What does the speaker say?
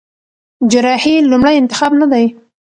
جراحي لومړی انتخاب نه دی.